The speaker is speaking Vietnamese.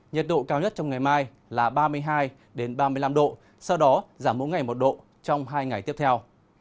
nhiệt độ cao nhất trong ngày mai là ba mươi hai ba mươi năm độ sau đó giảm mỗi ngày một độ trong hai ngày tiếp theo